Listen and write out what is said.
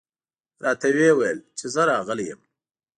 راته یې وویل چې زه راغلی یم.